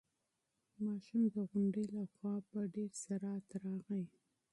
ماشوم د غونډۍ له خوا په ډېر سرعت راغی.